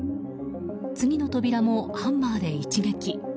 次の扉もハンマーで一撃。